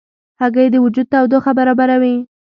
هګۍ د وجود تودوخه برابروي.